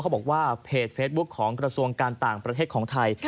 บอกว่าเพจเฟซบุ๊คของกระทรวงการต่างประเทศของไทย